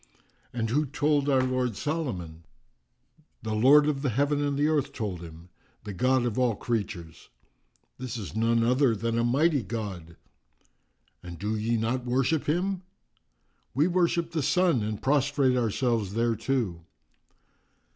"And who told our lord Solomon?" "The Lord of the heaven and the earth told him, the God of all creatures!" "This is none other than a mighty God!" "And do ye not worship him?" "We worship the Sun, and prostrate ourselves thereto."